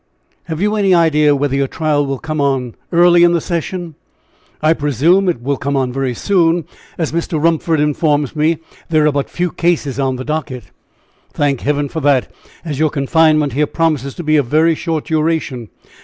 "Have you any idea whether your trial will come on early in the session?" "I presume it will come on very soon, as Mr. Romford informs me there are but few cases on the docket." "Thank Heaven for that, as your confinement here promises to be of very short duration.